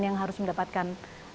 yang harus mendapatkan